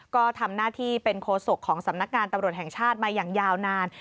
ก็ทำหน้าที่เป็นโคศกของสำนักงานตำรวจแห่งชาติมาอย่างยาวนาน